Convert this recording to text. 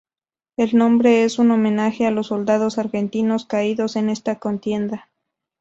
El nombre es un homenaje a los soldados argentinos caídos en esa contienda.